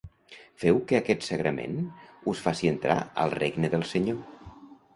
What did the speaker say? Feu que aquest sagrament us faci entrar al regne del Senyor.